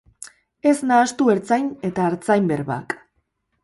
Ez nahastu ertzain eta artzain berbak.